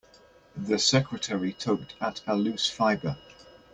The secretary tugged at a loose fibre.